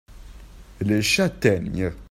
Les châtaignes.